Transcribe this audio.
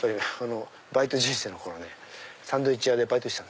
バイト人生の頃ねサンドイッチ屋でバイトしてた。